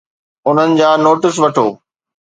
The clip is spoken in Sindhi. انهن جا نوٽس وٺو